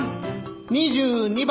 ２２番。